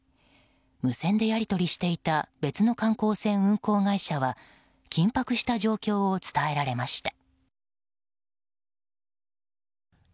無線でやり取りしていた別の観光船運航会社は緊迫した状況を伝えられました。